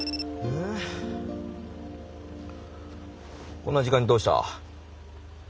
こんな時間にどうした？